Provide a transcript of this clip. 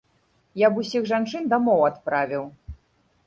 Я б усіх жанчын дамоў адправіў.